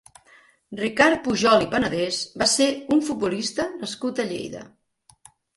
Ricard Pujol i Panadès va ser un futbolista nascut a Lleida.